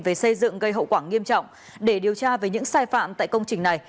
về xây dựng gây hậu quả nghiêm trọng để điều tra về những sai phạm tại công trình này